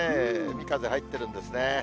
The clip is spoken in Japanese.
海風入ってるんですね。